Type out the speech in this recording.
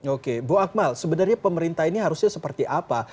oke bu akmal sebenarnya pemerintah ini harusnya seperti apa